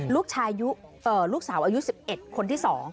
ลูกสาวอายุ๑๑คนที่๒